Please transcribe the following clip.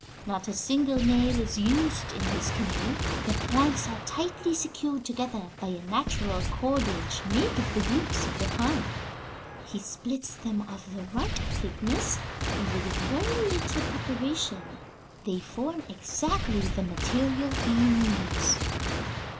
Not a single nail is used in his canoe: the planks are tightly secured together by a natural cordage made of the roots of the pine. He splits them of the right thickness, and with very little preparation they form exactly the material he needs.'"